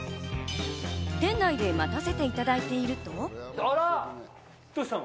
店内で待たせていただいていると。